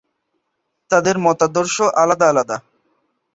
তাদের মতাদর্শ আলাদা আলাদা।